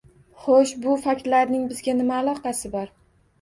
Xo'sh, bu faktlarning bizga nima aloqasi bor?